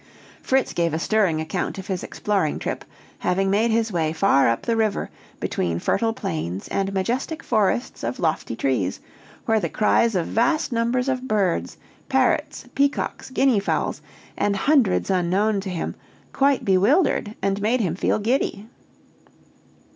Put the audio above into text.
Fritz gave a stirring account of his exploring trip, having made his way far up the river, between fertile plains and majestic forests of lofty trees, where the cries of vast numbers of birds, parrots, peacocks, guinea fowls, and hundreds unknown to him, quite bewildered, and made him feel giddy.